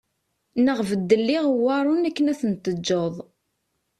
Neɣ beddel iɣewwaṛen akken ad ten-teǧǧeḍ